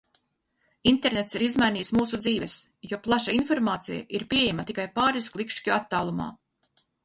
Internets ir izmainījis mūsu dzīves, jo plaša informācija ir pieejama tikai pāris klikšķu attālumā.